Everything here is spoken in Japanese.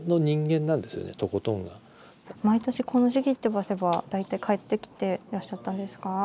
毎年この時期ってばせば大体帰ってきてらっしゃったんですか？